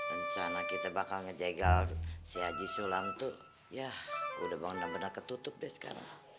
rencana kita bakal ngejegal si haji sulam itu ya udah benar benar ketutup deh sekarang